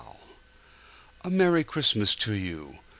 A Merry Christmas to you!